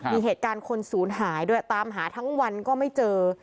มีเหตุการณ์คนศูนย์หายด้วยตามหาทั้งวันก็ไม่เจอ